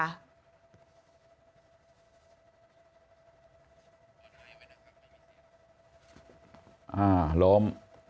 อะล้ม